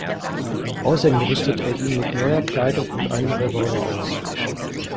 Außerdem rüstet er ihn mit neuer Kleidung und einem Revolver aus.